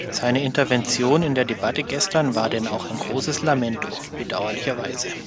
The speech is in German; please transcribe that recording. Seine Intervention in der Debatte gestern war denn auch ein großes Lamento, bedauerlicherweise.